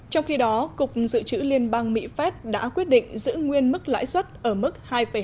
trong khi đó cục dự trữ liên bang mỹ phép đã quyết định giữ nguyên mức lãi suất ở mức hai hai mươi năm hai năm